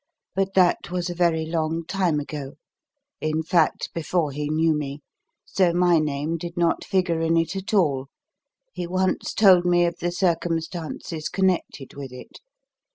But that was a very long time ago in fact, before he knew me, so my name did not figure in it at all. He once told me of the circumstances connected with it.